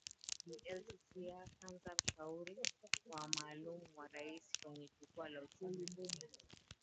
Bi Elsie Sia Kanza Mshauri wa Maalum wa rais kwenye jukwaa la Uchumi duniani